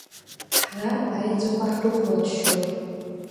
Ҳара аеҵәақәа ҳрыхәлаччоит.